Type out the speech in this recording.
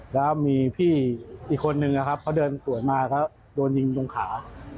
แล้วมีพี่อีกคนนึงนะครับเขาเดินสวนมาเขาโดนยิงตรงขา